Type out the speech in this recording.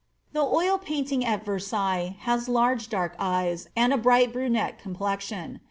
The oil painting at Versailles has dark eyes and a bright brunette complexion.